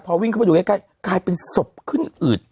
พอวิ่งเข้าไปดูใกล้กลายเป็นศพขึ้นอืด